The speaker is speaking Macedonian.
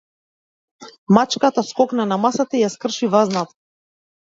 Мачката скокна на масата и ја скрши вазната.